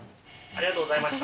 ありがとうございます。